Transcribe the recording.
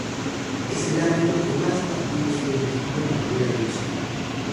Es el árbitro que más partidos ha dirigido en Primera División.